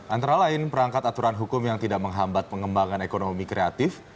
antara lain perangkat aturan hukum yang tidak menghambat pengembangan ekonomi kreatif